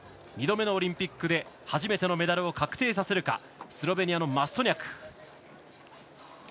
２度目のオリンピックで初めてのメダルを確定させるかスロベニアのマストニャク。